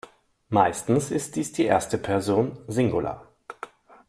Meistens ist dies die erste Person Singular.